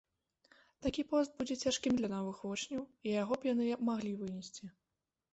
Такі пост будзе цяжкім для новых вучняў, і яго б яны маглі вынесці.